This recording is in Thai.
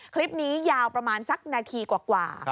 คลิปนี้ยาวประมาณสักนาทีกว่า